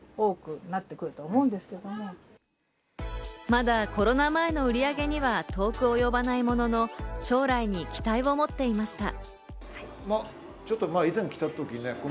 まだコロナ前の売上には遠く及ばないものの、将来に期待を持っていました。